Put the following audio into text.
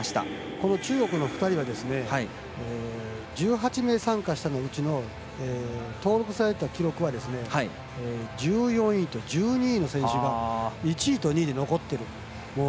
この中国の２人が１８名参加したうちの登録された記録は１４位と１２位の選手が１位と２位で残ってる。